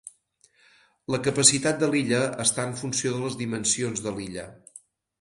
La capacitat de l'illa està en funció de les dimensions de l'illa.